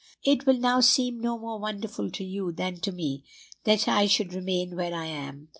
"It will now seem no more wonderful to you than to me, that I should remain where I am.